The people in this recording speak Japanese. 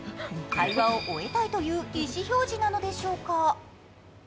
会話を終えたいという意思表示なのでしょうか。